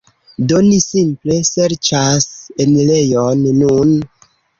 Do ni simple serĉas enirejon nun.